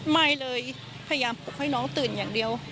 ไม่เลยพยายามปลุกให้น้องตื่นอย่างเดียว